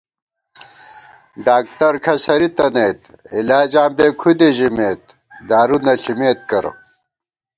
ڈاکتر کھسَرِی تنَئیت ، علاجاں بېکھُدے ژِمېت دارُو نہ ݪِمېت کرہ